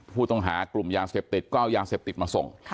ผู้ต้องหากลุ่มยาเสพติดก็เอายาเสพติดมาส่ง